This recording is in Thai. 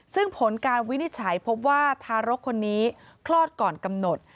ซึ่งผลการวินิจฉัยพบว่าทารกคนนี้คลอดก่อนกำหนด